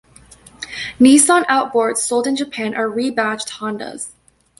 Nissan Outboards sold in Japan are re-badged Hondas.